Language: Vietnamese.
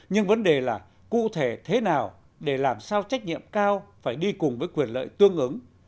nhưng vấn đề là cụ thể thế nào để làm sao trách nhiệm cao phải đi cùng với quyền lợi tương ứng